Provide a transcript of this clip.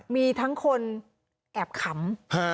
มีทั้งคนแอบขำ